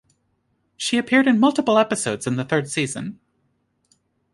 She appeared in multiple episodes in the third season.